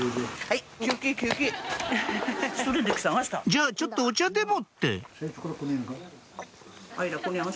「じゃあちょっとお茶でも」ってありゃ。